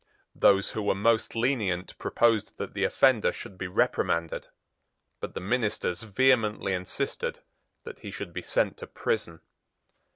Those who were most lenient proposed that the offender should be reprimanded: but the ministers vehemently insisted that he should be sent to prison.